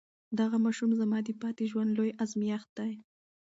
دغه ماشوم زما د پاتې ژوند لوی ازمېښت دی.